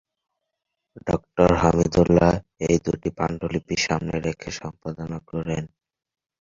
ডাক্তারহামিদুল্লাহ এই দুটি পাণ্ডুলিপি সামনে রেখে সম্পাদনা করেন।